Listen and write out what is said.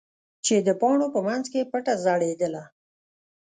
چې د پاڼو په منځ کې پټه ځړېدله.